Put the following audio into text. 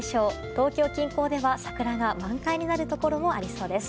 東京近郊では、桜が満開になるところもありそうです。